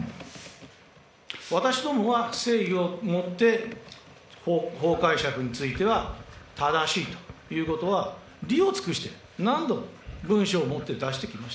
私どもは誠意を持って法解釈については、正しいということは理を尽くして、何度も文章を持って出してきまし